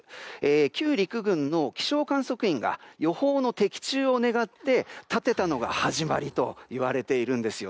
旧陸軍の気象観測員が予報の的中を願って建てたのが始まりといわれているんです。